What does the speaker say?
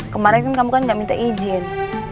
kemarin kan kamu gak minta izin